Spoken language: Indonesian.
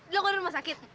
lo udah rumah sakit